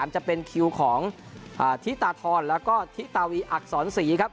จะเป็นคิวของธิตาทรแล้วก็ทิตาวีอักษรศรีครับ